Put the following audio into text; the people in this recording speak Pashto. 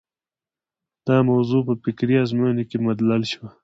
دا موضوع په فکري ازموینو کې مدلل شوه.